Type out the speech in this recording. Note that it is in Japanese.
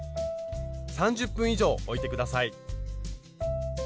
３０分以上おいて下さい。